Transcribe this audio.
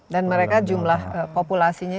dan mereka jumlah populasinya